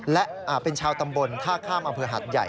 และเป็นชาวตำบลท่าข้ามอำเภอหัดใหญ่